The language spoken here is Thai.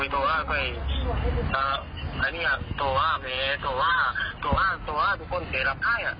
ตัวเข้า